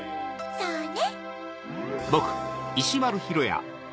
そうね。